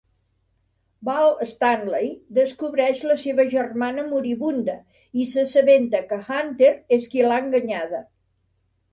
Bull Stanley descobreix la seva germana moribunda i s'assabenta que Hunter és qui l'ha enganyada.